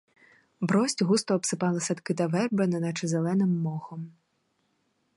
Брость густо обсипала садки та верби неначе зеленим мохом.